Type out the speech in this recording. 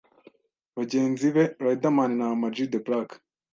bagenzi be Riderman na Amag The Black